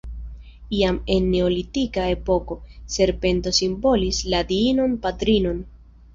Iam, en neolitika epoko, serpento simbolis la Diinon Patrinon.